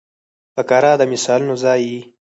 فقره د مثالونو ځای يي.